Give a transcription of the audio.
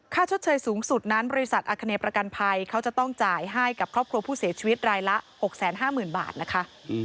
ชดเชยสูงสุดนั้นบริษัทอาคเนประกันภัยเขาจะต้องจ่ายให้กับครอบครัวผู้เสียชีวิตรายละ๖๕๐๐๐บาทนะคะ